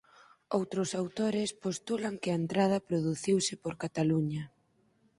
Outros autores postulan que a entrada produciuse por Cataluña.